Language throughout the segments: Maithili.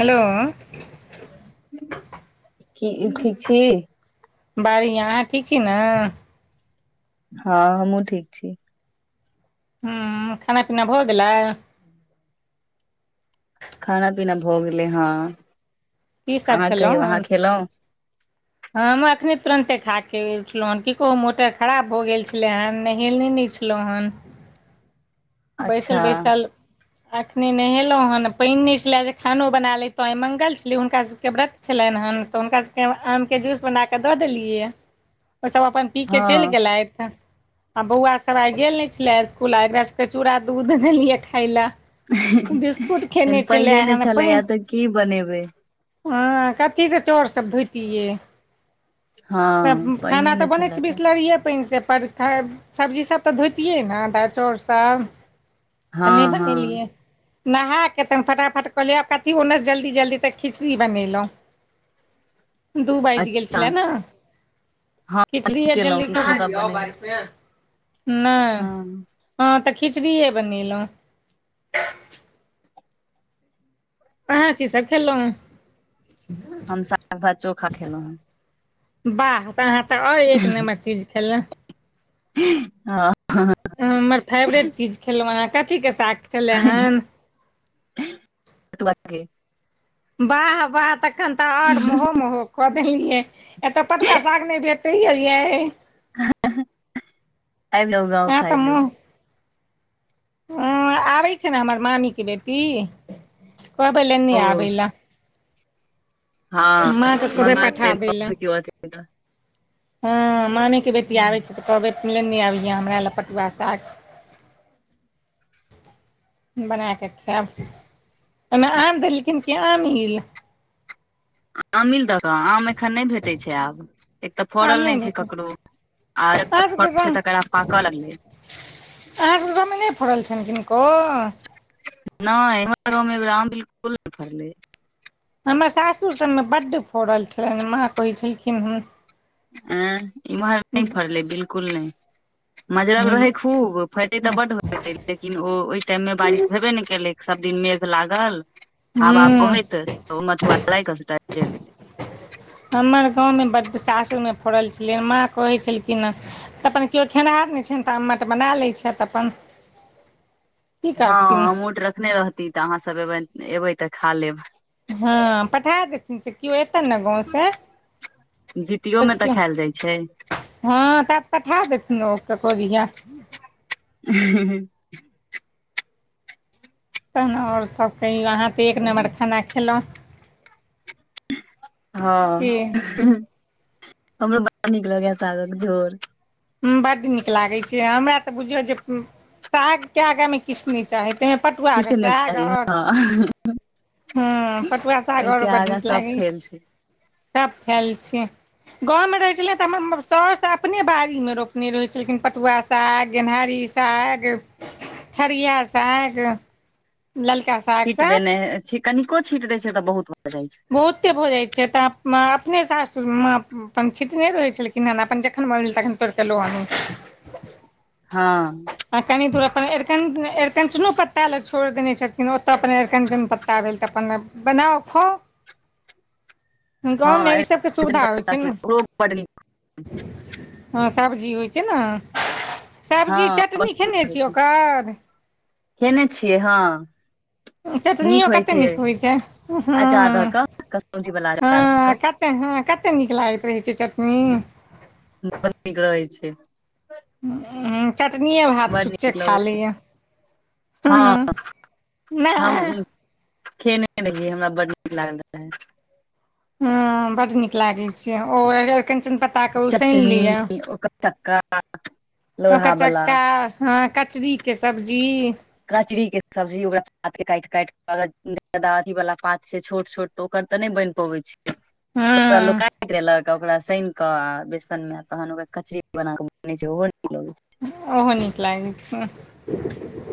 हेलो कि ठीक छी बढिया अहाँ ठीक छी ना हा हमहु ठीक छी हूँ खाना पीना भऽ गेलै खाना पीना भऽ गेलै हा की सब अहाँ कहियौ अहाँ खेलहुँ हा हम अखनी तुरते खा कऽ उठलोन कहो मोटर खराब भ गेल छले हेन न हेलने नहि छै खेलो हुन [inaudible] बैसल अच्छा बैसल अखनी नहेलो हन पानि नहि छल ले जे खानो बना लेतो आई मंगल छेले ना हुनका सभ के व्रत छलनि हँ तऽ हुनका सभ कें आम केँ जूस बना कऽ दऽ देलियै ओ सभ अप्पन पी का चलि हँ गेलथि आ बौआ सभ आइ गेल ने छले स्कूल एकरा सभ के चूड़ा दूध देलियै खाय लेय हे हा जहान पने ने छलैया तऽ की बनेबै हाँ कथी सँ चोर सभ धोतियै हँ तऽ पानिए खाना तऽ नहि बनै छलए छैय बिसलेरिए पानि सँ पर सब्जी सभ तऽ धोतियै ने दाल चाउर सभ तऽ नहि हँ हँ बनेलियै नहा कऽ तऽ ना फटाफट कऽ लियै आ कथी ओन्ने जल्दी जल्दी तऽ खिचड़ी बनल दु बैज गेल अच्छा छलै नहि हँ खिचड़ी केलहुँ जल्दी नहि किछ किछो तऽ कहलियो बनेलहुँ बाद में हँ नहि हाँ तऽ खिचड़ी बनेलहुँ अहाँ की सभ खेललहु हम साग भात चोखा खेललॅं हन वाह बाह तऽ और अहाँ तऽ ओर एक नम्बर चीज खेल हा हाँ हमर फेवरेट चीज खेलहु हाँन कथीकेँ साग छलै हन तु बात करिहिन वाह वाह तखन तऽ और महो महो एतऽ पटुआ साग नहि बेटेये यै आइ नौ गाँव हँ खाइ लेल आ आबै छै नहि हमर मामी केँ बेटी कहबे लेने ओ आबेल हा मांगा लेबे कियो एतेक हाँ मामी केँ बेटी आबे छैय तऽ कहबै लेने आबिये हमरा लए पटुआ केँ साग बना कऽ खायब ओ में आम देलखिन कि आममिल आममिल दहकऽ आम एखन नहि भेटैत छै आब एक तऽ आम फड़ल नहि नै छैय भेटल ककरो आर फड़ल छैय तकरारा पाक लगलै। अहाँकेँ गाँव में नै फड़ल छैन किनको नै हमर गाँव में अएबेर आम बिलकुल न फड़लै हमर सासुर सभ में बड फोड़ल छलैन माँ कहै छलखिन है इम्हर नै फरलै बिल्कुल नै मजरल रहै हँ खूब फैड़ते तऽ हूँ बड हैते लेकिन ओ ओइ टाइम में बारिश भेबे नै केलै सब दिन मेघ लागल हवा बहत [unintelligible] हमर गाँव में बड सासुर में फड़ल छलै माँ कहै छलखिन है। तऽ अपन केओ खेनिहार नै छनि तऽ अमठ बना लैत छैथ अपन। की [inaudible] हँ करथिन अमुट रखने रहती तऽ अहाँसभ एबै एबै तऽ खा लेब हँ पठे देथिन से केओ एतन न गाँव से जीतियो में तऽ खैल जाइ छैय। हँ तऽ पठा देथिन ओ ककरो दिआ [unintelligible] तहन और सभ कहियो अहाँ तऽ एक नम्बर खाना खेलौ की हँ [unintelligible] हमरो बड़ नीक लगैा साग कऽ झोर बड नीक लागैत छैय हमरा तऽ बुझियौ जे साग केँ आगो में किछ नै चाही पटुआ कऽ साग और [unintelligible] पटुआ साग ओइ आओर केँ बड्ड आगा नीक सब लागैए फेल छैय सब फेल छैय गाँव में रहै छेलियै तऽ हमर साउस अपने बाड़ी में रोपने रहै छलखिन पटुआ साग गेनहारी साग ठरिया साग [inaudible] ललका सा छीट देने छी कनिको छीट दय छै तऽ बहुत भऽ जाइ छैइ बहुते भऽ जाइ छैइ तऽ माँ अपने सासुर मे माँ अपन छिटने रहै छेलखीन अपन जखन मनहोइ भेल तखन तोइर लऽ आनु हँ हँ कनि दूर अपन अर अरिकंचनो पत्ता लए छोड़ देने छेथिन ओ तऽ अपन अरिकंचन पत्ता भेल तऽ अपन बनाउ खाउ गाँवमे ई सबके सुविधा होइ छै ने [unintelligible] हँ सब्जी होइ छैय न [unintelligible] हँ [unintelligible] खने छियै हँ चटनियो कतेक नीक होइ छै हँ अचार धऽ कऽ कसौजी वाला अचार धऽ कऽ [unintelligible] कते हँ कतेक नीक लागैत रहै छैइ चटनी बड़ नीक रहै छैइ चटनीय भात बड छुछे नीक खा लगै छै लैय [unintelligible] नहि हम खेने रहियै हमरा बड नीक लागल रेहा हूँ बड नीक लागे छैय ओ अरिकंचन पत - - ता कऽ उसैन लिअ [inaudible] चटनी ओकर चक्का लोढ़ा ओकर वाला चक्का हँ कचरी केँ सब्जी कचरीके के सब्जी ओकरा पात काइट [unintelligible] अथी वाला पात छै छोट छोट तऽ ओकर तऽ नै बैन पाबे छैइ ओकरा लोक हँ काइट देलक ओकरा साइन कऽ बेसनमे तहन ओकरा कचरी बना बनै छै ओहो नीक लगैत छैइ ओहो नीक लागैइ छैइ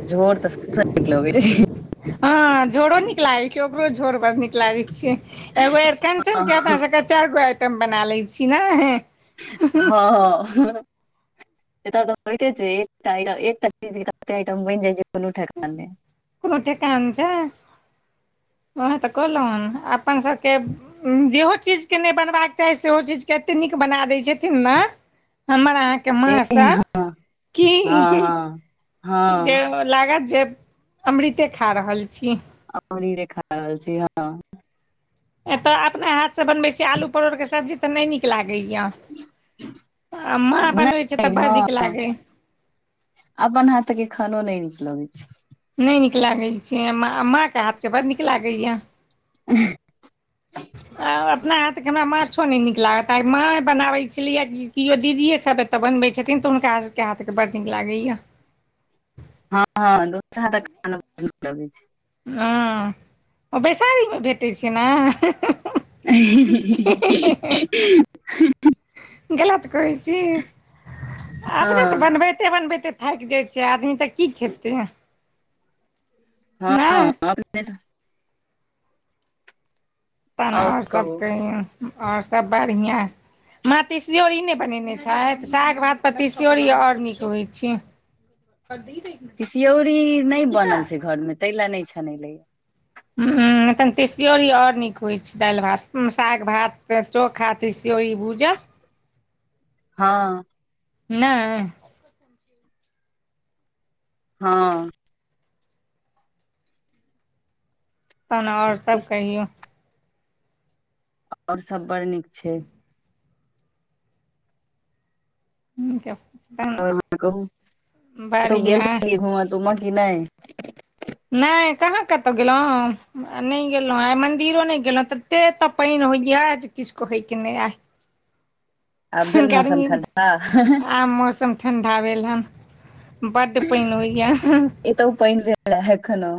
झोर तऽ सब [unintelligible] निक लगै छैइ हँ झोरो नीक लागै छैइ ओकरो झोर बड़ नीक लागै छिय एगो अरिकञ्चन के अपना सबके चैरगो आइटम बना लैय छी नै हँ एतय तऽ होइते छैय एकटा चीज कते आइटम बैन जाइ छैय कोनो ठेकान नै कोनो ठेकान छै ओहा तऽ कहलो अपनन सबके जेहो चीजके नै बनबाक चाही सेहो चीजके एतेक नीक बना दैत छेथिन ना हमर अहाँके ए माँसब हँ की हँ हँ जे हँ ओ लागत जे अमृते खा रहल छी आ पनीरे खा रहल छी ईहान ए तऽ अपने हाथसँ बनबै छी आलू परोरके सब्जी तऽ नै नीक लागैया आ माँ बनबै छै नहि तऽ बड़ नीक हँ लागैय अपन हाथ के खानो नै नीक लगैय छै नै नीक लागै छै माँके हाथ के बड़ नीक लागैया [unintelligible] आ अपना हाथके हमरा माछो नै नीक लागत आइ माँ बनाबै छेलियै केओ दीदिए सभ तऽ बनबै छेथिन तऽ हुनका आ के हाथ के बड नीक लागैया हँ हँ दोसर हाथक खाना बड निक लागै छै ह ओ बैशारी मे भेटै छै ना [inaudible] गलत कहै छी आ अपने स बनबैत हँ बनबैते बनबैते थैक जाय छै आदमी तऽ की खेते हँ [unintelligible] तहन आओर अओर सभ कहू कहियो और सब बढ़ियां माँ तीसियोरी नै बनेने छैथ साग भात पर तिसियोरी अओर नीक होइ छै [inaudible] तिसियौरी नै बनल छै घरमे तै ले नहि छनेलै उ हॅं तहन तसियोरी और नीक होइ छै दैल पर भात साग भात चोखा तिसियोरी भूजल हँ नै हँ तहन आऐर सब इस- कहियो ओआर सब बड़ नीक छै ह [unintelligible] आ कह कतहु गेल बढ़िआँ छलीयै घुम तुम ऽ की नै नै कहाँ कतहु गेलहुँ नहि गेलहुँ आइ मन्दिरो नै गेलहुँ तऽ ऐते एतऽ पैन होइए जे किसक होइ कि नहि आइ आब भेल मौसम गर्मीमे ठण्डा आब मौसम ठण्डा भेल हन बड पैन होइए एतौ पाइन भेला एखनो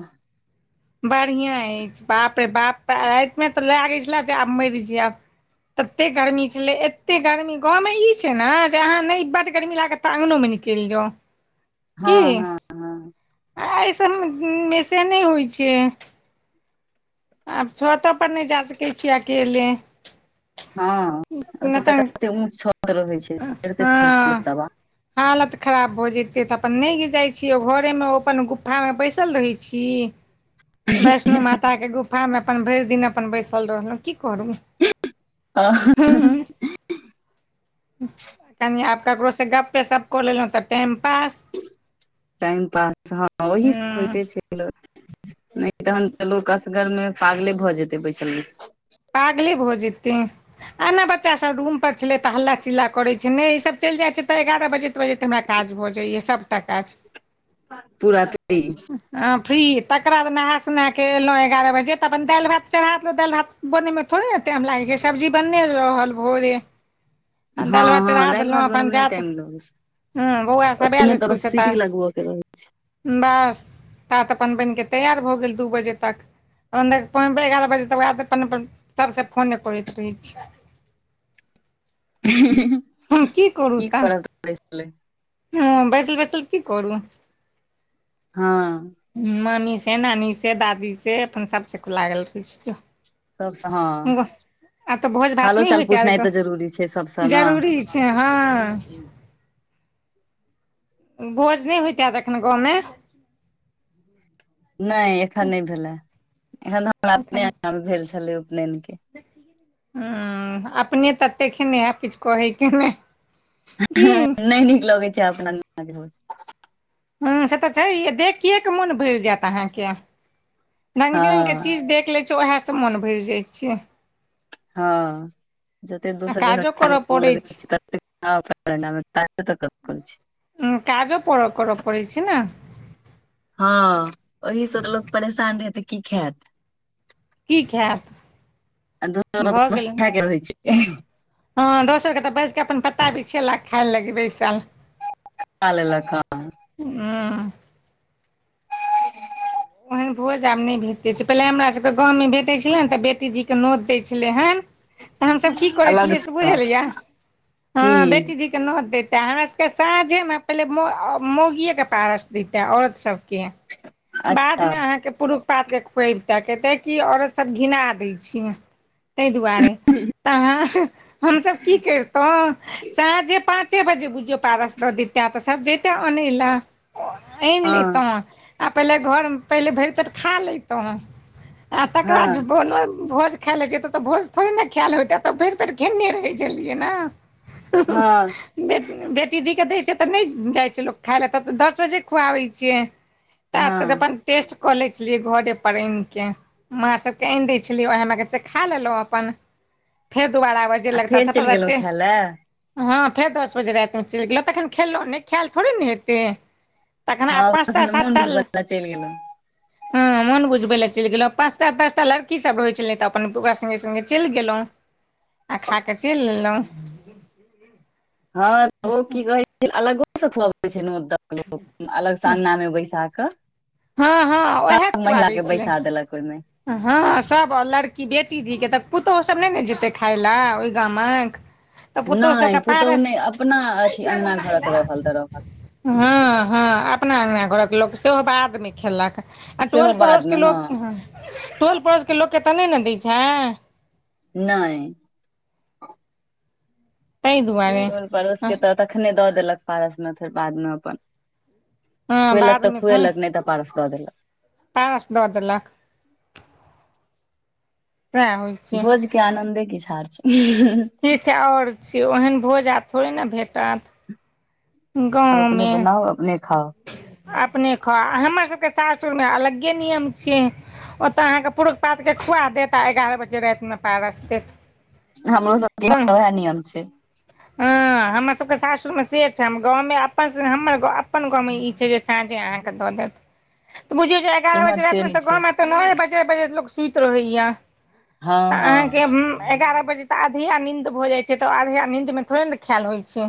बढ़िआँ अछि बाप रे बाप‌ रातिमे तऽ लगै छले जे आब मैर जेएब तते गर्मी छलै एते गर्मी गाँवमे ई छै ने जे अहाँ नै बड गर्मी लागत त आंगनों में निकैऋ जाउ [inaudible] की हँ हँ एहि सभमे से नै होय छै आब छतो पर नय जा सकै छी अकेले हँ ओत तऽ कते ऊच छत रहै चैढ़िते चैढिते लोग हँ तबाह हालत खराब भऽ जतै तऽ अपन नय जाइ छी ओ घरेमे ओ अपन गुफामे बैसल रहै छी वैष्णो माता के गुफा मे अपन भरि दिन अपन बैसल रहलौं की करू आह कनी आब ककरो से गप पे सप कऽ लेलौं तऽ टाइम पास टाइम पास हँ ओही सँ हँ होइते छै नय तहन तऽ लोक असगरमे पागले भऽ जेतै बैसलै पागले भऽ जेतै हिना बच्चा सब रूम पर छले तऽ हल्ला चिल्ला करे छै ने ई सब चलि जाइ छै तऽ एगारह बजे स बजे तऽ हमरा काज भऽ जाइए सभटा काज पूरा त अछि ह फ्री तकर बाद नहा सुना के एलहुँ एगारह बजे तऽ अपन दालि भात चढ़ा देलहुँ दालि भात बनय मे थोड़े ने टाइम लागै छै सब्जी बन रहल भोरे हँ दालि भात हँ चढ़ा दालि देलौं भात बनय अपन मे नहि जात टाइम लगै छै हँ बौआ सब एल ओहिमे स्कुल बस से सीटी तऽ लगबऽ के बस तात अपन बनि कऽ तैयार भऽ गेल दू बजे तक एगारह बजे तक अपन अपन सभसँ फोने करैत रहै छै [inaudible] हम की करू तऽ पैसा ले हँ बैसल बैसल की करू हँ मामी से नानी से दादी से अपन सब लागल रहै सबसँ हँ आब तऽ भोज भात हालो नय चाल होयत पूछनाइ तऽ जरूरी छै हैत सबसँ ने जरूरी छै हँ भोज नय होइत हैत एखन गाँवमे नय एखन नय भेले एखन तऽ हमरा अपने भेल छलै उपनयन के ह अपने तते खेने हैब किछु कहैके ने नय नीक लगै छै अपना नो हँ से तऽ छैहे देखियएके मोन भरि जायत अहाँके, रङ्ग बिरङ्गके हँ चीज देख लै छै ओहे से मोन भरि जाइ छै, हँ। जतेक आ दोसर जगह काजो खेल करऽ पड़ै [unintelligible] लग हँ काजो परऽ करऽ पड़ै छै ने, हँ ओहि से तऽ लोक परेशान रहै तऽ की खैत की खायब आ भऽ गेलै [unintelligible] के रहै छै, हँ दोसर के तऽ बैसके अपन पता बिछेला खाइ लागी बैसाल खा लेलक हँ हुँ ओहन भोज आब नय भेटै छै पहिले हमर सभके गाँवमे भेटै छलै ने तऽ बेटीजीके नोत दै छलै हन तऽ हमसभ की करै अलग छलियै से सँ बुझलियै, हँ की बेटी जी के नोत दैतै हमरासके साँझेमे पहिले मौगियेके पारस दैतै औरत सभके अच्छा बादमे अहाँके पुरुष पातके खुयबिते कहितै कि औरतसभ घिना दै छै- ताहि दुआरे तऽ हमसभ की करितौं साँझे पाँच पाँचे बजे बुझियो पारस दऽ दैता तऽ सब जैता अन लए आनि हँ लेतौं आ पहिले घर पहिले भरि पेट खा लेतौं आ तकर हँ बाद भोज खाय लेए जैतौं तऽ भोज थोड़े ने खायल होयता भैर पेट खेने रहै छलियै ने। हँ [unintelligible] बे बेटी धीके दै छै तऽ नै जाइ छै लोक खाइ लए तब दस बजे खुआबै छियै, ता त हँ अपन टेस्ट कऽ लै छलियै घरे पर एन के मां सबके आनि दै छलियै ओहएमे के खा लेलौं अपन, फेर दुबारा आबै जे आ लगता फेर चलि गेलहुँ खाय लए [unintelligible] हँ फेर दस बजे रातिमे चलि गेलौं तखन खएलौं नै तखन खायल थोड़े ने हेतै तखन आब पाँचटा सात घूस बला चलि गेलहु [unintelligible] हँ मन बुझबे लए चलि गेलौं पाँच टा ताचटा लड़की सब रहै छलै तऽ अपन ओकरा सब संगे चलि गेलौं आ खा कऽ चलि लेलौं हँऽ ओ की कहै छै अलगोसँ खुआबै छै ने दक लोक अलगसँ अंगना मे बैसा कऽ हँ हँ, उएह सब महिला खुआबै के छलै बैसा देलक ओहिमे हँ सब आ लड़की बेटी धी के तऽ पुतोहु सब नै ने जेतै खाय लेए ओय गामक तऽ पुतहु नय सभके पुतोहु पारस नय अपना अथी अंगना घरक रहल तऽ रहल हँ हँ अपना अंगना घरक लोक सेहो बाद मे खेलक आ टोल सेहो पड़ोसके बादमे हँ लोक टोल पड़ोसके लोकके तऽ नै ने दै छाय नय ताहि दुआरे टोल पड़ोस के तऽ तखने दऽ देलक पारस मे फेर बादमे अपन हँ खुएलक तऽ खुएलक नै तऽ पारस दऽ देलक, पास द देलक सएह होय भोज के आनन्दे किछ आर छै, किछ आओर छै ओहन भोज आब थोड़े ने भेटत। गाँवमे ओ नै खाव अपने खाव हमर सबके सासुरमे अलगे नियम छै ओतअ अहाँके पुरुख-पात के खुआ देत आ एगारह बजे रातिमे पारस देत हमरो सबके घर तऽ मे वएह नियम छै, हँ हमर सबके सासुरमे से छै हम गाँवमे अपन हमर गांव अ अपन गाँवमे ई छै जे साँझे अहाँके द देत त बुझियौ जे एगारह इम्हर बजे राति से नहि मे गाँव छै मे त नए बजे बजैत लोक सुति रहैया हँ तऽ हँ अहाँके एगारह बजे तऽ आधिया नींद भऽ जाइ छै तऽ आधिया नींद मे थोड़े ने खायल होइ छै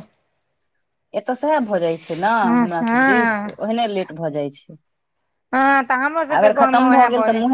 एतअ सेहए भऽ जाइ छै न हँ हमरा सबदिस हँ ओहने लेट भऽ जाइ छै हँ तऽ हमरो सबके अगर गाँव मे खतम भऽ उएह गेल तऽ बजे स मुँहे